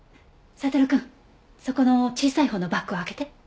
悟くんそこの小さいほうのバッグを開けて。